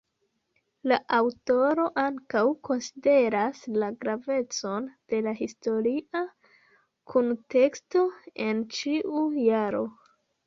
La aŭtoro ankaŭ konsideras la gravecon de la historia kunteksto en ĉiu jaro.